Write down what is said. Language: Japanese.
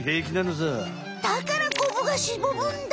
だからコブがしぼむんだ！